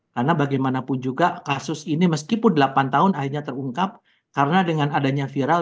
karena bagaimanapun juga kasus ini meskipun delapan tahun akhirnya terungkap karena dengan adanya viral